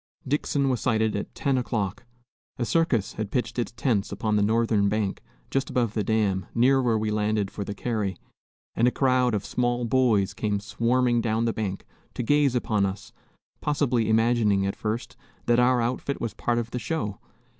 Dixon was sighted at 10 o'clock. A circus had pitched its tents upon the northern bank, just above the dam, near where we landed for the carry, and a crowd of small boys came swarming down the bank to gaze upon us, possibly imagining, at first, that our outfit was a part of the show.